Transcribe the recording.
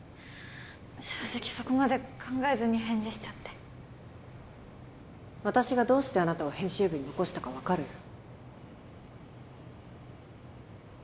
正直そこまで考えずに返事しちゃって私がどうしてあなたを編集部に残したか分かる？